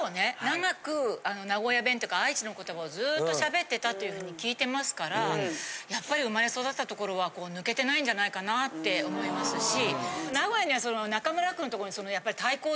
長く名古屋弁というか愛知の言葉をずっと喋ってたっていうふうに聞いてますからやっぱり生まれ育った所は抜けてないんじゃないかなって思いますし。